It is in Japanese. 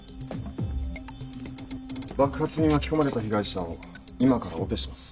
爆発に巻き込まれた被害者を今からオペします。